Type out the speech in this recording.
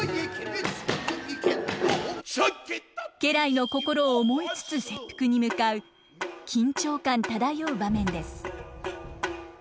家来の心を思いつつ切腹に向かう緊張感漂う場面です。